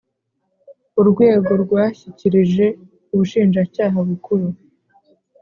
urwego rwashyikirije ubushinjacyaha bukuru.